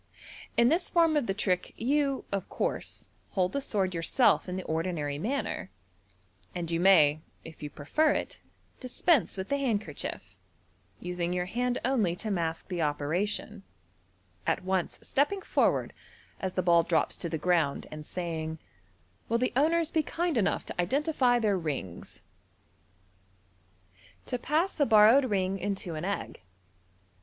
In this form of the trick you, of course, hold the sword yourself in the ordinary manner, and you may, if you prefer it, dispense with the handkerchief, using your hand only to mask the operation, at once stepping forward, as the ball drops to the ground, and saying, m Will the owners be kind enough to identify their rings ?" To Pass a Borrowed Ring into an Egg.